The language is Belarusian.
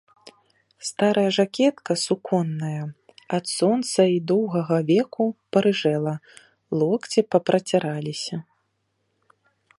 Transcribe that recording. Старая жакетка суконная ад сонца й доўгага веку парыжэла, локці папраціраліся.